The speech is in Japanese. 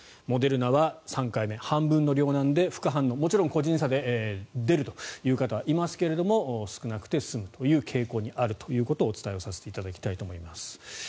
モデルナは３回目半分の量なので副反応、もちろん個人差で出る方いますけど少なくて済むという傾向にあるということをお伝えさせていただきたいと思います。